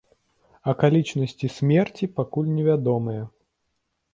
Акалічнасці смерці пакуль невядомыя.